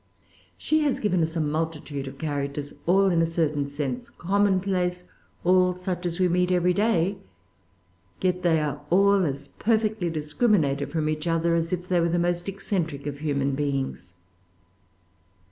She has given us a multitude of characters, all, in a certain sense, commonplace, all such as we meet every day.[Pg 384] Yet they are all as perfectly discriminated from each other as if they were the most eccentric of human beings.